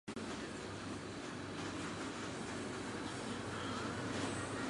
雪水当量的估算对于融雪时可能的灾害预防以及雪水资源的运用都十分重要。